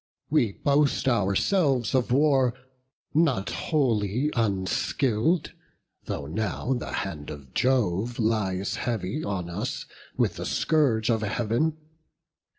we boast ourselves of war Not wholly unskill'd, though now the hand of Jove Lies heavy on us with the scourge of Heav'n.